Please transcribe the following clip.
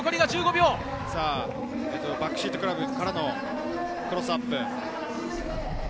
バックシートグラブからのクロスアップ。